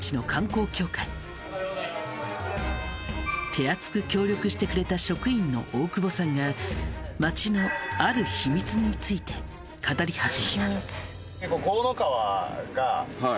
手厚く協力してくれた職員の大久保さんが町のある秘密について語り始めた。